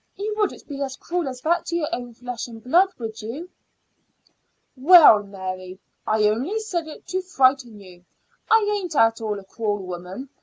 You wouldn't be as cruel as that to your own flesh and blood, would you?" "Well, Mary, I only said it to frighten you. I ain't at all a cruel woman.